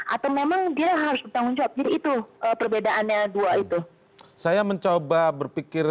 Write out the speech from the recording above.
atau memang dia harus bertanggung jawab jadi itu perbedaannya dua itu saya mencoba berpikir